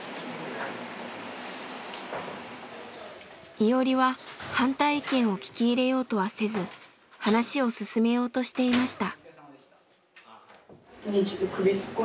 イオリは反対意見を聞き入れようとはせず話を進めようとしていました。